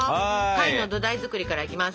パイの土台作りからいきます。